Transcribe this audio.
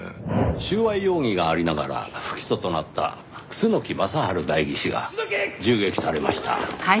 収賄容疑がありながら不起訴となった楠木正治代議士が銃撃されました。